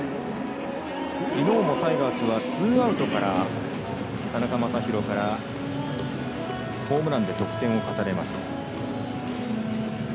きのうもタイガースはツーアウトから田中将大からホームランで得点を重ねました。